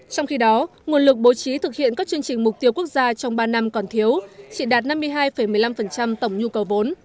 trong khi đó nguồn lực bố trí thực hiện các chương trình mục tiêu quốc gia trong ba năm còn thiếu chỉ đạt năm mươi hai một mươi năm tổng nhu cầu vốn